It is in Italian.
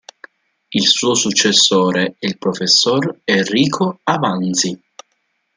Il suo successore è il professor Enrico Avanzi.